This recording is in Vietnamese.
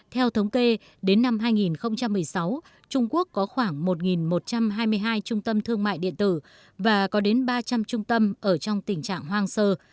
theo thống kê đến năm hai nghìn một mươi sáu trung quốc có khoảng một một trăm hai mươi hai trung tâm thương mại điện tử và có đến ba trăm linh trung tâm ở trong tình trạng hoang sơ